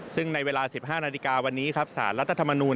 ซึ่งในเวลาสิบห้านาฬิกาวันนี้ครับสหรัฐรัฐธรรมนูน